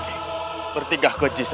sehingga membuat dinda akan terikmati